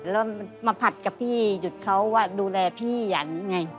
แล้วมาผัดกับพี่หยุดเขาว่าดูแลพี่หยันไง